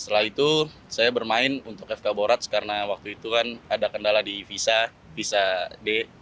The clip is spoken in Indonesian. setelah itu saya bermain untuk fk boracs karena waktu itu kan ada kendala di visa visa d